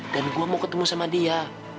dan gua mau ketemu sama dia